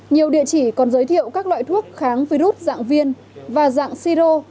nhiều địa chỉ còn giới thiệu các loại thuốc kháng virus dạng viên và dạng siro